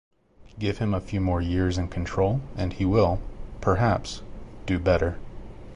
Give him a few more years in control and he will, perhaps, do better.